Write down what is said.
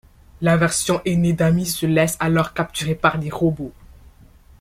La version aînée d'Amy se laisse alors capturer par les robots.